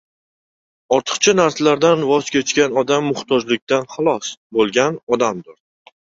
Ortiqcha narsalardan voz kechgan odam muhtojlikdan xalos, bo‘lgan odamdir.